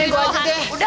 sini gue aja deh